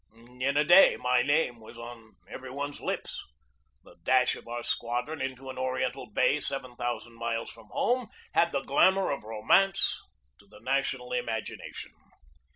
In a day my name was on every one's lips. The dash of our squadron into an Ori ental bay seven thousand miles from home had the glamour of romance to the national imagination.